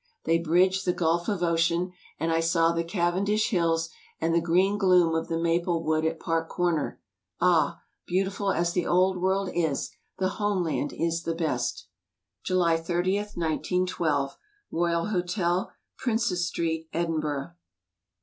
They bridged the gulf of ocean, and I saw the Cavendish hills and the green gloom of the maple wood at Park Comer. Ah! beautiful as the old world is, the homeland is the best. July 30, 1912. Royal Hotel, Prince's St., Edinburgh.